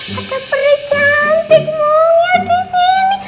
ada peri cantik mungil disini